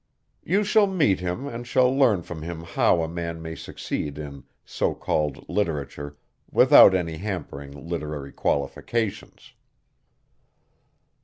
You shall meet him and shall learn from him how a man may succeed in so called literature without any hampering literary qualifications."